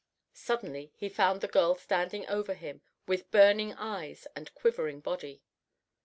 Suddenly he found the girl standing over him with burning eyes and quivering body.